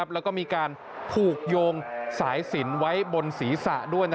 แล้วก็มีการผูกโยงสายสินไว้บนศีรษะด้วย